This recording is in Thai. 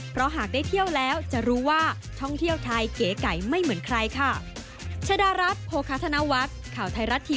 เพราะหากได้เที่ยวแล้วจะรู้ว่าท่องเที่ยวไทยเก๋ไก่ไม่เหมือนใครค่ะ